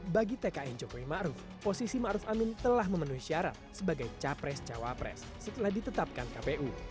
bagi tkn jokowi ma'ruf posisi ma'ruf amin telah memenuhi syarat sebagai capres cawapres setelah ditetapkan kpu